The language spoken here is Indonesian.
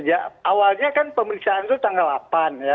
ya awalnya kan pemeriksaan itu tanggal delapan ya